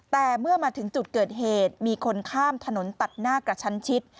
แต่เมื่อมาถึงจุดเกิดเหตุมีคนข้ามถนนตัดหน้ากระชั้นชิด